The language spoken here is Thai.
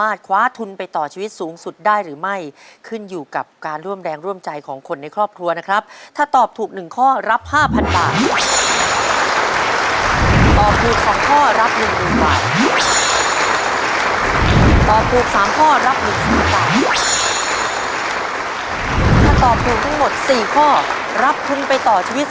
รับทุ่งไปต่อชีวิตสูงสุดถึง๑ล้านบาท